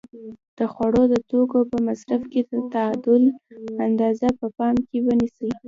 د خوړو د توکو په مصرف کې د تعادل اندازه په پام کې ونیسئ.